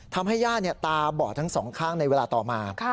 ทำให้ย่าตาบอดทั้ง๒ข้างในเวลาต่อมา